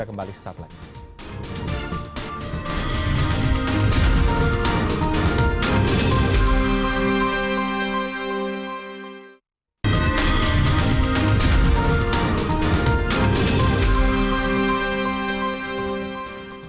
kita kembali sesat lainnya